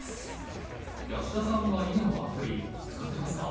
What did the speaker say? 安田さんは囲碁のアプリ使ってますか？